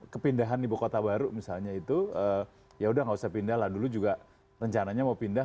kepindahan ibu kota baru misalnya itu yaudah nggak usah pindah lah dulu juga rencananya mau pindah